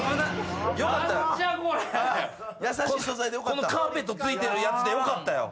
このカーペットついてるやつでよかったよ。